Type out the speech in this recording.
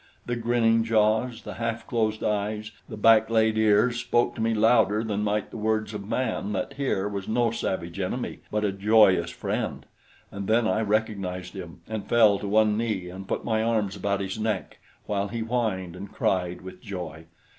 The grinning jaws, the half closed eyes, the back laid ears spoke to me louder than might the words of man that here was no savage enemy but a joyous friend, and then I recognized him, and fell to one knee and put my arms about his neck while he whined and cried with joy.